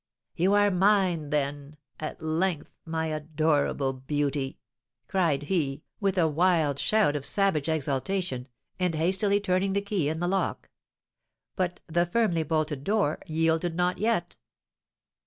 "You are mine, then, at length, my adorable beauty!" cried he, with a wild shout of savage exultation, and hastily turning the key in the lock. But the firmly bolted door yielded not yet.